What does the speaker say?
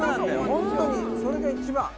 ホントにそれが一番。